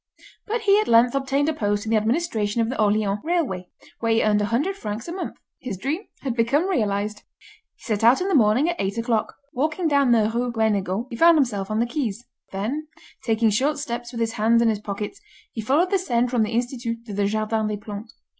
But he at length obtained a post in the administration of the Orleans Railway, where he earned 100 francs a month. His dream had become realised. He set out in the morning at eight o'clock. Walking down the Rue Guénégaud, he found himself on the quays. Then, taking short steps with his hands in his pockets, he followed the Seine from the Institut to the Jardin des Plantes.